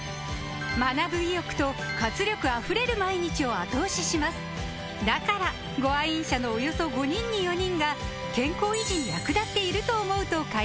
学ぶ意欲と活力あふれる毎日を後押ししますだからご愛飲者のおよそ５人に４人が「健康維持に役立っていると思う」と回答しています